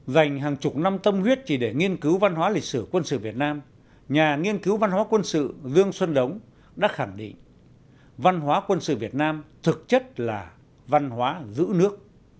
dành hàng chục năm tâm huyết chỉ để nghiên cứu văn hóa lịch sử quân sự việt nam nhà nghiên cứu văn hóa quân sự dương xuân đống đã khẳng định văn hóa quân sự việt nam thực chất là văn hóa giữ nước